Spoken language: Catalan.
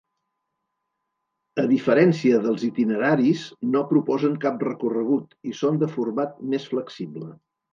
A diferència dels itineraris, no proposen cap recorregut i són de format més flexible.